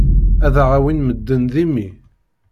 Ad aɣ-awin medden d imi.